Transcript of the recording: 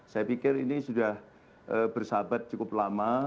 saya pikir ini sudah bersahabat cukup lama